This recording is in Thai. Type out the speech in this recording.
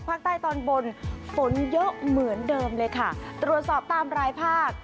ภาคใต้ตอนบนฝนเยอะเหมือนเดิมเลยค่ะตรวจสอบตามรายภาค